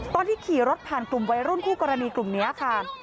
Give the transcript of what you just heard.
ตอนที่ขี่รถผ่านกลุ่มวัยรุ่นคู่กรณีกลุ่มนี้ค่ะ